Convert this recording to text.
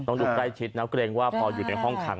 ต้องดูใกล้ชิดนะเกรงว่าพออยู่ในห้องขัง